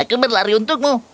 aku berlari untukmu